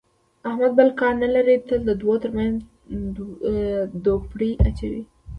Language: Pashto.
احمد بل کار نه لري، تل د دوو ترمنځ دوپړې اچوي.